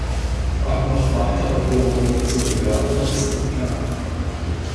Ob noch weitere Burgen dazu gehörten, ist nicht klar.